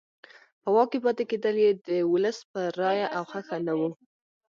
په واک کې پاتې کېدل یې د ولس په رایه او خوښه نه وو.